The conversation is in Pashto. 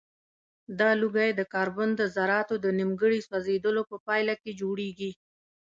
دا لوګی د کاربن د ذراتو د نیمګړي سوځیدلو په پایله کې جوړیږي.